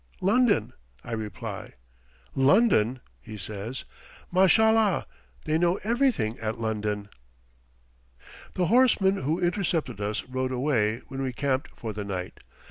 "London," I reply. "London!" he says; "Mashallah! they know everything at London." The horseman who intercepted us rode away when we camped for the night.